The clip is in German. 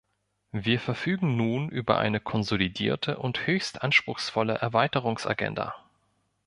Wir verfügen nun über eine konsolidierte und höchst anspruchsvolle Erweiterungsagenda.